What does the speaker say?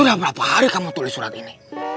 udah berapa hari kamu tulis surat ini